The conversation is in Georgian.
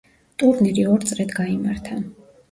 ტურნირი ორ წრედ გაიმართა.